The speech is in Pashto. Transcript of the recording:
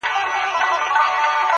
زموږ مسئولیت دا دی چې